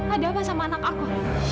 ada apa sama anak aku